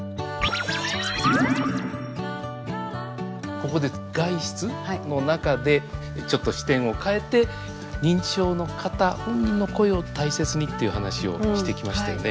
ここで外出の中でちょっと視点を変えて認知症の方本人の声を大切にっていう話をしてきましたよね。